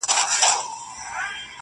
د مرګي هسي نوم بدنام دی!.